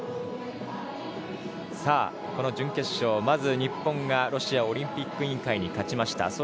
この準決勝まず日本がロシアオリンピック委員会に勝ちました。